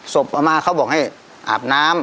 เอามาเขาบอกให้อาบน้ำ